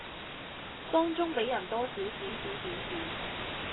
當中被人多少指指點點